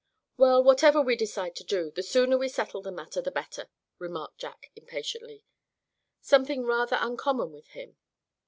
"Well, whatever we decide to do, the sooner we settle the matter the better," remarked Jack, impatiently, something rather uncommon with him.